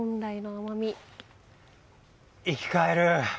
生き返る！